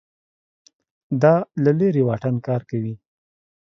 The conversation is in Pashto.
دا له لرې واټن کار کوي